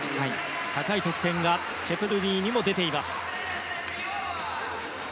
高い得点がチェプルニーにも出ています。